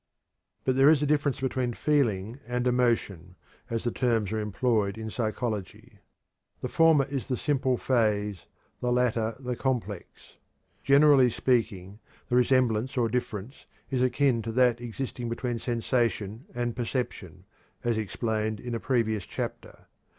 But there is a difference between "feeling" and "emotion," as the terms are employed in psychology. The former is the simple phase, the latter the complex. Generally speaking, the resemblance or difference is akin to that existing between sensation and perception, as explained in a previous chapter.